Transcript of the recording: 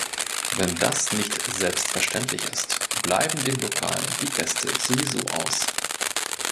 Wenn das nicht selbstverständlich ist, bleiben dem Lokal die Gäste sowieso aus.